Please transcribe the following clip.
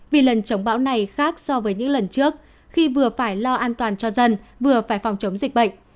vì lần chống bão này khác so với những lần trước khi vừa phải lo an toàn cho dân vừa phải phòng chống dịch bệnh